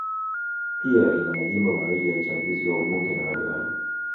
Pia ina majimbo mawili ya Uchaguzi wa ubunge na madiwani